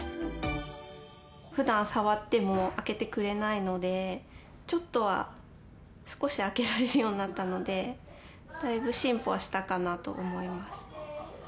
ふだん触っても開けてくれないのでちょっとは少し開けられるようになったのでだいぶ進歩はしたかなと思います。